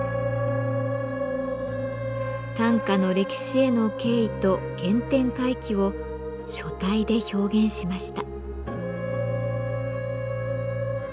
短歌の歴史への敬意と原点回帰を書体で表現しました。